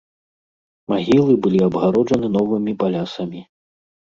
Магілы былі абгароджаны новымі балясамі.